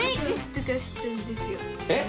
えっ？